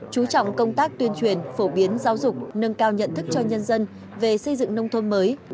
chú trọng công tác tuyên truyền phổ biến giáo dục nâng cao nhận thức cho nhân dân về xây dựng nông thôn mới